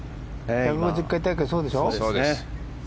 １５０大会、そうでしょ。